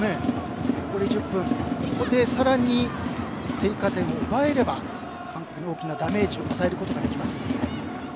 ここで更に追加点を奪えれば韓国に大きなダメージを与えることができます。